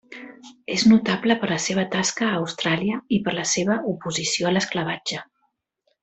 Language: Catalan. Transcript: És notable per la seva tasca a Austràlia i per la seva oposició a l'esclavatge.